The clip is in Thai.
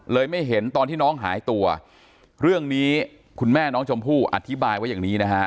ไม่เห็นตอนที่น้องหายตัวเรื่องนี้คุณแม่น้องชมพู่อธิบายไว้อย่างนี้นะฮะ